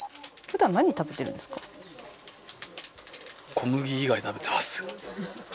小麦以外食べてます。